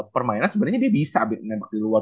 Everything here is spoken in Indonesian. permainan sebenarnya dia bisa menembak di luar